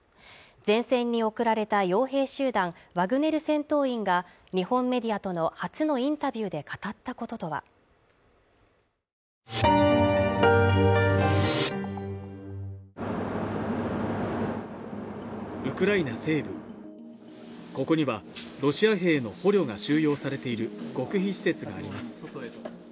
前線に送られた傭兵集団ワグネル戦闘員が日本メディアとの初のインタビューで語ったこととはウクライナ西部ここにはロシア兵の捕虜が収容されている極秘施設があります